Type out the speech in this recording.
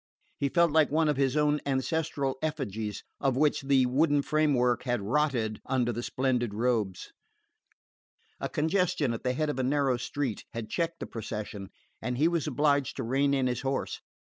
He felt like one of his own ancestral effigies, of which the wooden framework had rotted under the splendid robes. A congestion at the head of a narrow street had checked the procession, and he was obliged to rein in his horse.